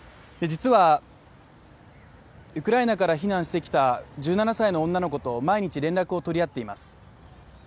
実は、ウクライナから避難してきた１７歳の女の子と毎日連絡を取り合っています。